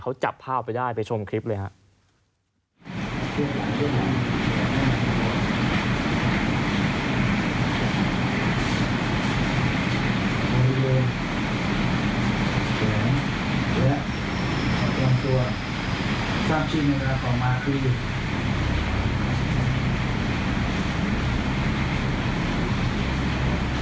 เขาจับภาพไปได้ไปชมคลิปเลยครับ